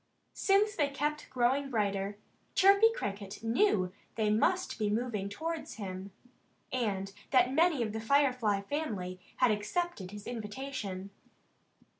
Since they kept growing brighter, Chirpy Cricket knew that they must be moving towards him, and that many of the Firefly family had accepted his invitation.